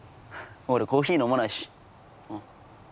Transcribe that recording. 俺コーヒー飲まないし。